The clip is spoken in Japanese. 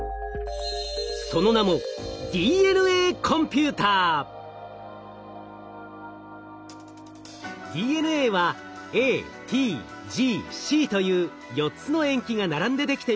その名もＤＮＡはＡＴＧＣという４つの塩基が並んでできています。